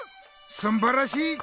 すんばらしい！